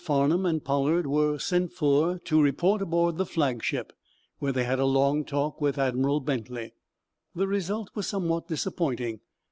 Farnum and Pollard were sent for to report aboard the flagship, where they had a long talk with Admiral Bentley. The result was somewhat disappointing.